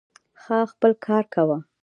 ځاا خپل کار کوه